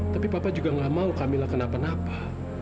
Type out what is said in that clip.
tapi papa juga gak mau camillah kenapa napa